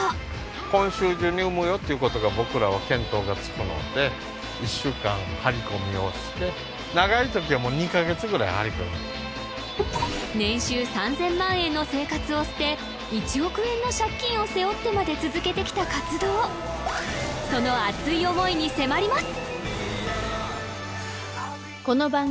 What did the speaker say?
今週中に産むよということが僕らは見当がつくので年収３０００万円の生活を捨て１億円の借金を背負ってまで続けてきた活動その熱い思いに迫ります